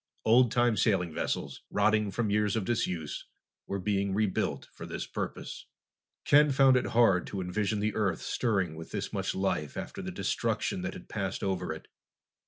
Oldtime sailing vessels, rotting from years of disuse, were being rebuilt for this purpose. Ken found it hard to envision the Earth stirring with this much life after the destruction that had passed over it.